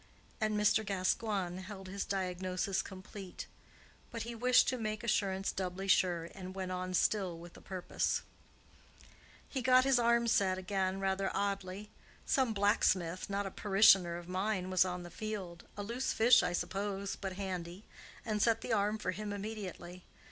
and Mr. Gascoigne held his diagnosis complete. But he wished to make assurance doubly sure, and went on still with a purpose. "He got his arm set again rather oddly. Some blacksmith—not a parishioner of mine—was on the field—a loose fish, I suppose, but handy, and set the arm for him immediately.